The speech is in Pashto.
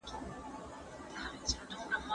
منظور پښتین ته: